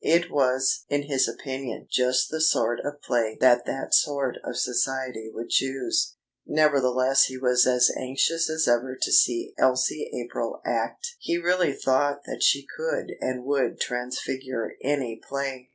It was (in his opinion) just the sort of play that that sort of society would choose. Nevertheless he was as anxious as ever to see Elsie April act. He really thought that she could and would transfigure any play.